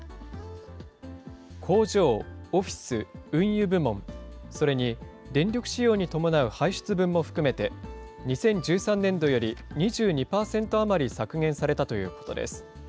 工場、オフィス、運輸部門、それに電力使用に伴う排出分も含めて、２０１３年度より２２％余り削減されたということです。